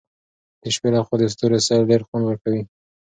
د شپې له خوا د ستورو سیل ډېر خوند ورکوي.